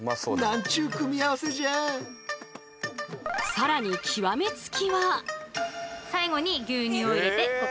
次は極め付きは。